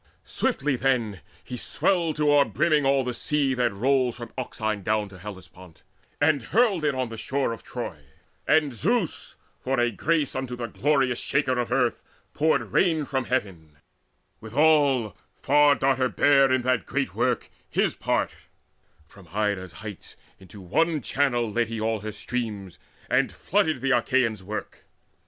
Swiftly then He swelled to overbrimming all the sea That rolls from Euxine down to Hellespont, And hurled it on the shore of Troy: and Zeus, For a grace unto the glorious Shaker of Earth, Poured rain from heaven: withal Far darter bare In that great work his part; from Ida's heights Into one channel led he all her streams, And flooded the Achaeans' work.